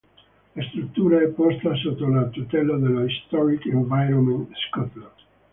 La struttura è posta sotto la tutela dello Historic Environment Scotland.